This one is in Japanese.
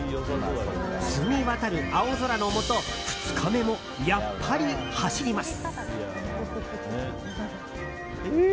澄み渡る青空のもと２日目もやっぱり走ります。